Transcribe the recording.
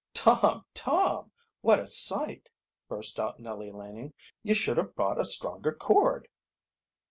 "Torn! Tom! What a sight!" burst out Nellie Laning. "You should have brought a stronger cord."